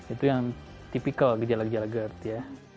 itu yang tipikal gejala gejala gerd ya